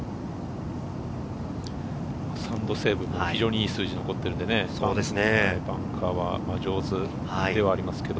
サンドセーブも非常にいい数字を残っているので、バンカーは上手ではありますけど。